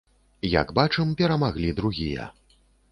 Як бачым, перамаглі другія.